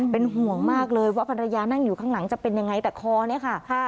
เป็นห่วงมากเลยว่าภรรยานั่งอยู่ข้างหลังจะเป็นยังไงแต่คอเนี่ยค่ะ